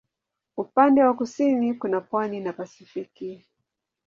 Upande wa kusini kuna pwani na Pasifiki.